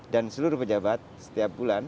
dan seluruh pejabat setiap bulan